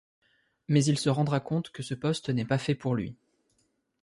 Mais il se rendra compte que ce poste n'est pas fait pour lui.